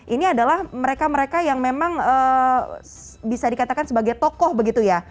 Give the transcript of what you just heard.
ini adalah mereka mereka yang memang bisa dikatakan sebagai tokoh begitu ya